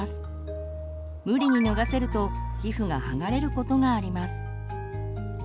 無理に脱がせると皮膚が剥がれることがあります。